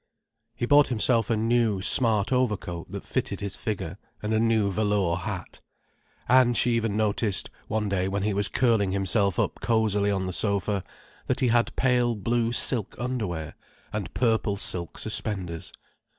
He bought himself a new, smart overcoat, that fitted his figure, and a new velour hat. And she even noticed, one day when he was curling himself up cosily on the sofa, that he had pale blue silk underwear, and purple silk suspenders.